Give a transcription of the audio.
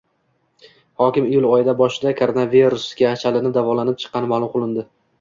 Hokim iyul oyi boshida koronavirusga chalinib, davolanib chiqqani ma’lum qilindi